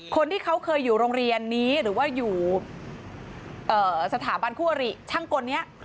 คนที่เขาเคยอยู่โรงเรียนนี้หรือว่าอยู่สถาบันคู่อริช่างกลนี้